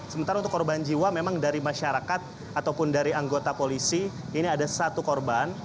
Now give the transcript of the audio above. sementara untuk korban jiwa memang dari masyarakat ataupun dari anggota polisi ini ada satu korban